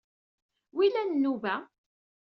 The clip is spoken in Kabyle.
Wilan nnuba?